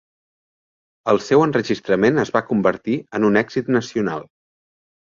El seu enregistrament es va convertir en un èxit nacional.